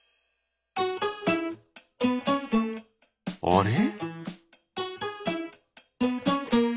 あれ？